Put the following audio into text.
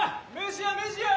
飯や飯や！